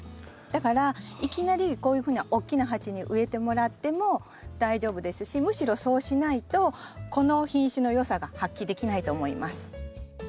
だからいきなりこういうふうな大きな鉢に植えてもらっても大丈夫ですしむしろそうしないとこの品種のよさが発揮できないと思います。